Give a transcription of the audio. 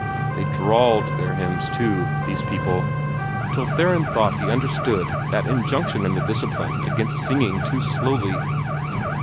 They drawled their hymns too, these people, till Theron thought he understood that injunction in the Discipline against singing too slowly.